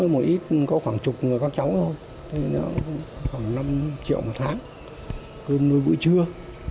mỗi ít có khoảng chục người các cháu thôi khoảng năm triệu một tháng cơm nuôi buổi trưa